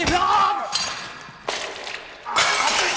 熱い！